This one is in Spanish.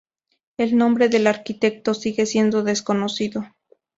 El nombre del arquitecto sigue siendo desconocido.